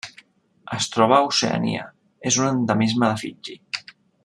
Es troba a Oceania: és un endemisme de Fiji.